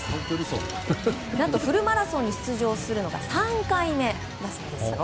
何とフルマラソンに出場するのが３回目だそうですよ。